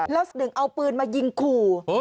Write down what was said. แล้วหนึ่งเอาปืนมายิงขู่